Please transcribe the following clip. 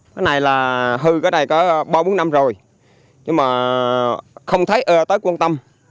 cái này là hư cái này có ba bốn năm rồi nhưng mà không thấy tới quan tâm